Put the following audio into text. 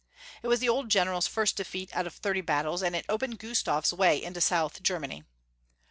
It was the old gen eral's first defeat out of thirty battles, and it opened Gustaf s way into south Germany.